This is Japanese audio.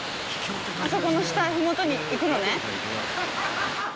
あそこの下、ふもとに行くのね？